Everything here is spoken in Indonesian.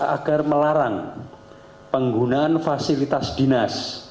agar melarang penggunaan fasilitas dinas